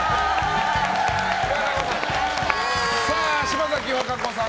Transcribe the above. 島崎和歌子さん